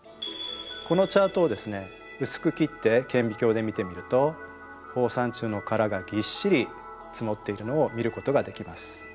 このチャートをですね薄く切って顕微鏡で見てみると放散虫の殻がぎっしり積もっているのを見ることができます。